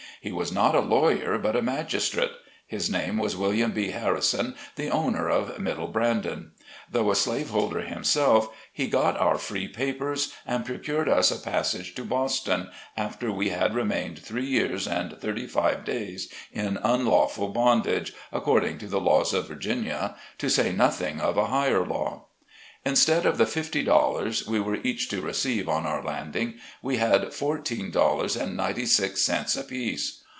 He was not a lawyer, but a magistrate. His name was William B. Harrison, the owner of middle Brandon. Though a slaveholder himself, he got our free papers, and pro cured us a passage to Boston, after we had remained three years and thirty five days in unlawful bondage, according to the laws of Virginia, to say nothing of a higher law. Instead of the fifty dollars we were each to receive on our landing, we had fourteen dollars and ninety six cents apiece.